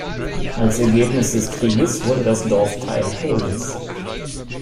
Als Ergebnis des Krieges wurde das Dorf Teil Polens.